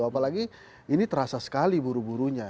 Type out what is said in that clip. apalagi ini terasa sekali buru burunya